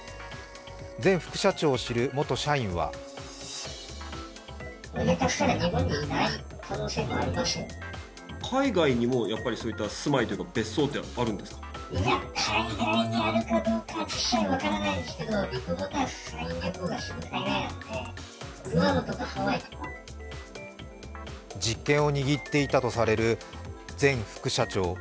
前副社長を知る元社員は実権を握っていたとされる前副社長。